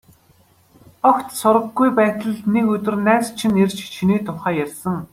Огт сураггүй байтал нэг өдөр найз чинь ирж, чиний тухай ярьсан.